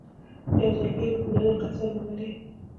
يو ځل بيا يې په پوره دقت سره ولولئ.